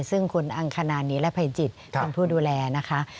ซึ่งคุณอังคณานิรภัยจิตเป็นผู้ดูแลนะคะ